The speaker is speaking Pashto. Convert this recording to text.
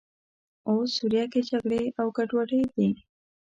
اوس سوریه کې جګړې او ګډوډۍ دي.